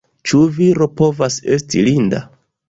Ĉu viro povas esti linda?